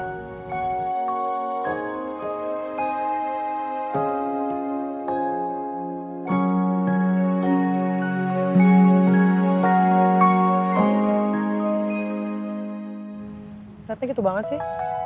ternyata gitu banget sih